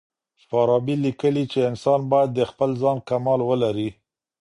فارابي ليکي چي انسان بايد د خپل ځان کمال ولري.